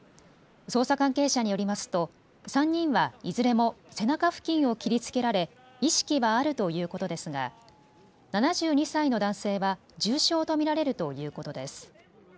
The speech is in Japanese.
捜査関係者によりますと３人はいずれも背中付近を切りつけられ意識はあるということですが７２歳の男性は重傷と見られるということです。